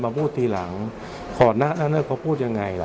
พูดทีหลังก่อนหน้านั้นเขาพูดยังไงล่ะ